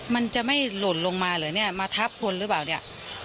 มันจะไม่หล่นลงมาเหรอเนี่ยมาทับคนหรือเปล่าเนี่ย